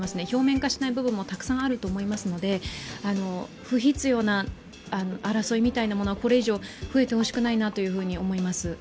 表面化しない部分もたくさんあると思いますので不必要な争いみたいなものは、これ以上増えてほしくないなと思います。